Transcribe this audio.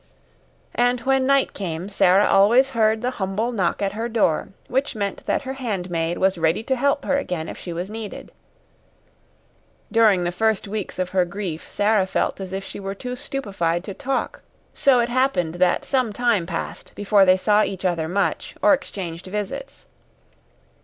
And when night came Sara always heard the humble knock at her door which meant that her handmaid was ready to help her again if she was needed. During the first weeks of her grief Sara felt as if she were too stupefied to talk, so it happened that some time passed before they saw each other much or exchanged visits.